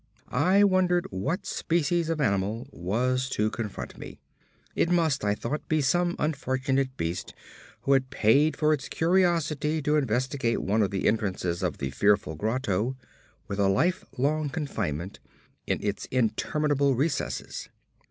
I wondered what species of animal was to confront me; it must, I thought, be some unfortunate beast who had paid for its curiosity to investigate one of the entrances of the fearful grotto with a life long confinement in its interminable recesses.